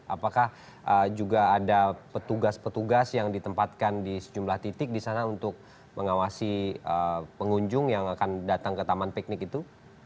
apakah juga ada petugas petugas yang ditempatkan di sejumlah titik di sana untuk mengawasi pengunjung yang akan datang ke taman piknik itu